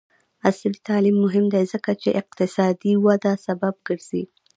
عصري تعلیم مهم دی ځکه چې اقتصادي وده سبب ګرځي.